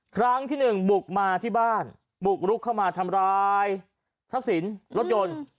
ครั้งที่หนึ่งบุกมาที่บ้านบุกรุกเข้ามาทำร้ายทรัพย์สินรถยนต์